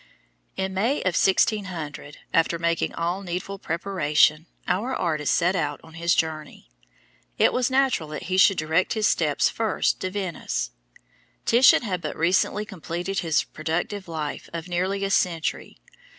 In May of 1600, after making all needful preparation, our artist set out on his journey. It was natural that he should direct his steps first to Venice. Titian had but recently completed his productive life of nearly a century.